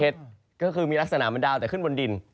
ก็คือมีลักษณะมันดาวแต่ขึ้นบนดิน